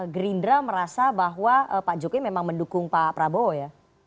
gerindra merasa bahwa pak jokowi memang mendukung pak prabowo ya